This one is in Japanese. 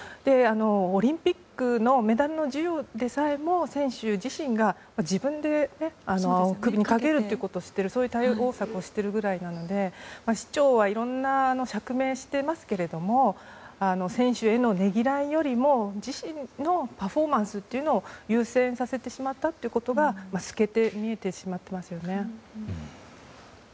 オリンピックのメダルの授与でさえも選手自身が自分で首にかけるということをしているそういう対応策をしているぐらいなので市長はいろんな釈明をしていますが選手へのねぎらいよりも自身のパフォーマンスというのを優先させてしまったということが透けて見えてしまっていますよね。